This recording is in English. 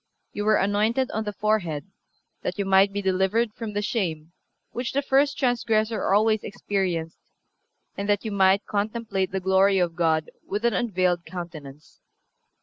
You were anointed on the forehead, that you might be delivered from the shame which the first transgressor always experienced, and that you might contemplate the glory of God with an unveiled countenance....